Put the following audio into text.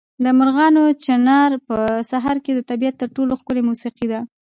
د مرغانو چڼهار په سهار کې د طبیعت تر ټولو ښکلې موسیقي ده.